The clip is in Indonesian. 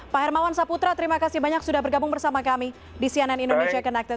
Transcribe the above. pak hermawan saputra terima kasih banyak sudah bergabung bersama kami di cnn indonesia connected